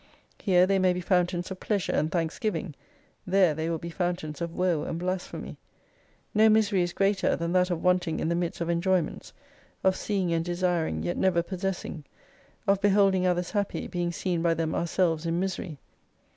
Here they may be fountains of pleasure and thanksgiving, there they will be fountains of woe and blasphemy. No misery is greater than that of wanting in the midst of enjoyments, of seeing and desiring yet never possess ing. Of beholding others happy, being seen by them ourselves in misery.